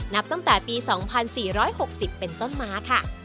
นับตั้งแต่ปี๒๔๖๐เป็นต้นมาค่ะ